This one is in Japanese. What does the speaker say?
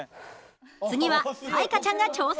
次は彩加ちゃんが挑戦！